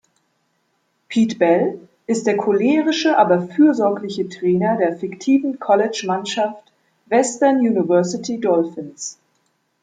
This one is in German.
Pete Bell ist der cholerische aber fürsorgliche Trainer der fiktiven College-Mannschaft "Western University Dolphins".